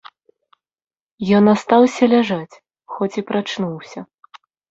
Ён астаўся ляжаць, хоць і прачнуўся.